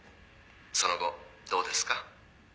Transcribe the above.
「その後どうですか？」